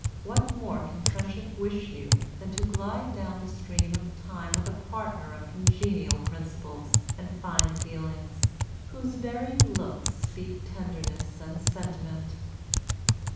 What more can friendship wish you than to glide down the stream of time with a partner of congenial principles and fine feelings, whose very looks speak tenderness and sentiment."